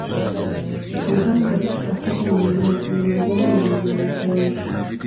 Mifano katika Afrika ni Mlima Kilimanjaro na Mlima Kenya.